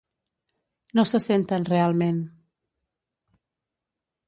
No se senten realment.